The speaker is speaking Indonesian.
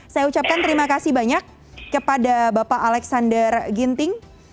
saya ucapkan terima kasih banyak kepada bapak alexander ginting